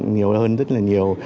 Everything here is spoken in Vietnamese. nhiều hơn rất là nhiều